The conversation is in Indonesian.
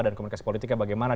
dan komunikasi politika bagaimana